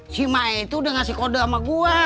si mae itu udah ngasih kode sama gue